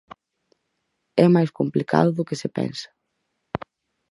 É máis complicado do que se pensa.